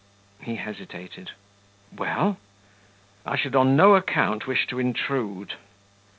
He hesitated. "Well?" "I should on no account wish to intrude."